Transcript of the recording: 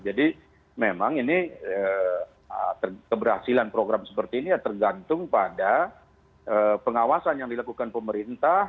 jadi memang ini keberhasilan program seperti ini ya tergantung pada pengawasan yang dilakukan pemerintah